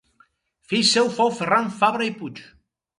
Fill seu fou Ferran Fabra i Puig.